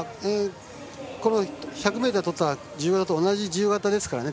１００ｍとった自由形と同じ自由形ですからね。